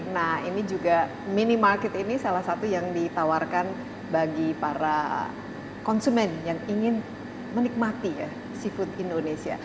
nah ini juga minimarket ini salah satu yang ditawarkan bagi para konsumen yang ingin menikmati ya seafood indonesia